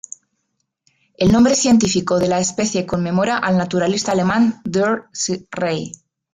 El nombre científico de la especie conmemora al naturalista alemán Dr S. Rey.